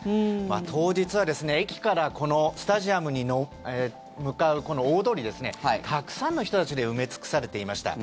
当日は駅からスタジアムに向かうこの大通りたくさんの人たちで埋め尽くされていました。